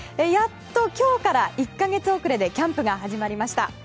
やっと今日から１か月遅れでキャンプが始まりました。